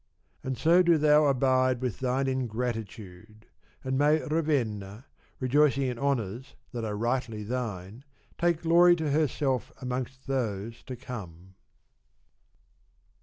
And so do thou abide with thine ingratitude, and may Ravenna, rejoic ing in honours that are rightly thine, take glory to herself amongst those to come.